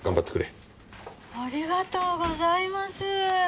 ありがとうございます。